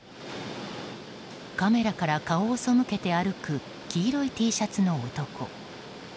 カメラから顔を背けて歩く黄色いＴシャツの男。